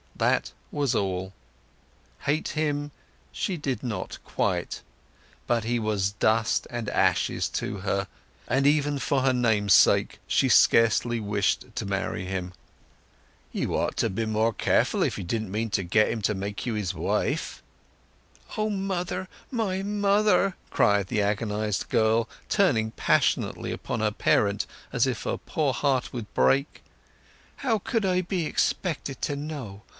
That was all. Hate him she did not quite; but he was dust and ashes to her, and even for her name's sake she scarcely wished to marry him. "You ought to have been more careful if you didn't mean to get him to make you his wife!" "O mother, my mother!" cried the agonized girl, turning passionately upon her parent as if her poor heart would break. "How could I be expected to know?